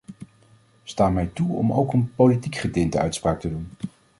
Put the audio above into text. Sta mij toe om ook een politiek getinte uitspraak te doen.